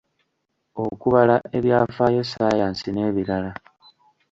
Okubala, ebyafaayo, Ssaayansi n'ebirala.